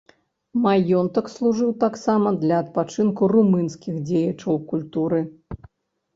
Маёнтак служыў таксама для адпачынку румынскіх дзеячаў культуры.